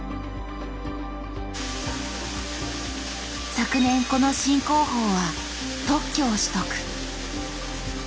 昨年この新工法は特許を取得。